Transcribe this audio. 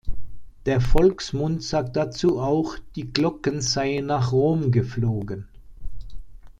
Der Volksmund sagt dazu auch, die Glocken seien nach Rom geflogen.